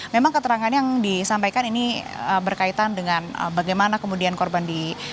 memang keterangan yang disampaikan ini berkaitan dengan bagaimana kemudian korban di